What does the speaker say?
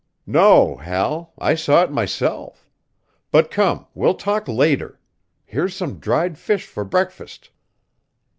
"No, Hal; I saw it myself. But come, we'll talk later. Here's some dried fish for breakfast."